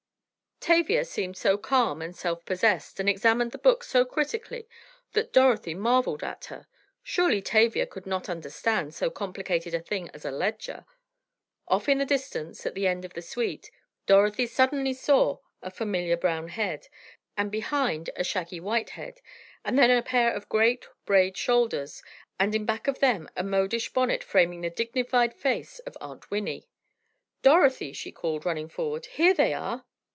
Tavia seemed so calm and self possessed and examined the books so critically that Dorothy marveled at her! Surely Tavia could not understand so complicated a thing as a ledger! Off in the distance, at the end of the suite, Dorothy suddenly saw a familiar brown head, and behind a shaggy white head, and then a pair of great, braid shoulders, and in back of them a modish bonnet framing the dignified face of Aunt Winnie! "Dorothy," she called, running forward. "Here they are!"